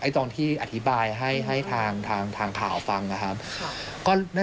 ตอนที่อธิบายให้ทางข่าวฟังนะครับ